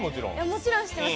もちろん知ってます！